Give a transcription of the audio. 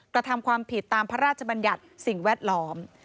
กระทำความผิดตามพระราชบัญญัติสิ่งแวดล้อม